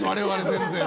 全然。